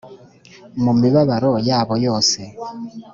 mu mibabaro yabo yose.